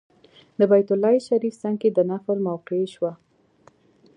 د بیت الله شریف څنګ کې د نفل موقع شوه.